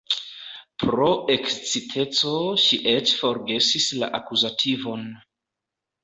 Pro eksciteco ŝi eĉ forgesis la akuzativon.